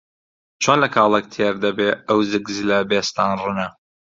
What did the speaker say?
چۆن لە کاڵەک تێر دەبێ ئەو زگ زلە بێستان ڕنە؟